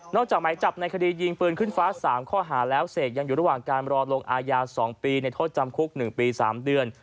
จากหมายจับในคดียิงปืนขึ้นฟ้า๓ข้อหาแล้วเสกยังอยู่ระหว่างการรอลงอาญา๒ปีในโทษจำคุก๑ปี๓เดือน